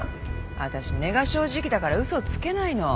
わたし根が正直だから嘘つけないの。